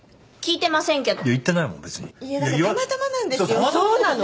いきませんけど。